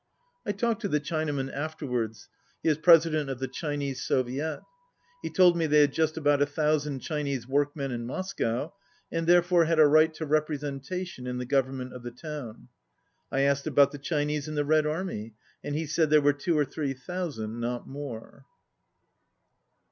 I talked to the Chinaman afterwards. He is president of the Chinese Soviet. He told me they had just about a thousand Chinese workmen in Moscow, and therefore had a right to representation in the government of the town. I asked about the Chi nese in the Red Army, and he said there were two or three thousand, not more.